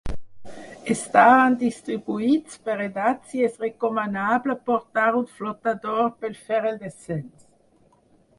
Estaran distribuïts per edats i es recomanable portar un flotador per fer el descens.